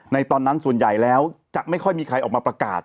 ตอนนั้นส่วนใหญ่แล้วจะไม่ค่อยมีใครออกมาประกาศ